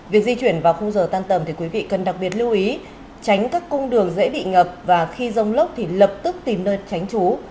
việc di chuyển vào khung giờ tan tầm thì quý vị cần đặc biệt lưu ý tránh các cung đường dễ bị ngập và khi rông lốc thì lập tức tìm nơi tránh trú